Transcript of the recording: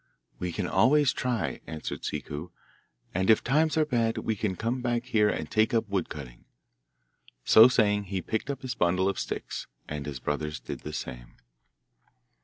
'We can always try,' answered Ciccu; 'and if times are bad we can come back here and take up wood cutting.' So saying he picked up his bundle of sticks, and his brothers did the same.